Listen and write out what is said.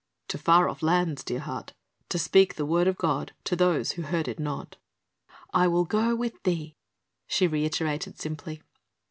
"To far off lands, dear heart, to speak the Word of God to those who heard it not." "I will go with thee," she reiterated simply.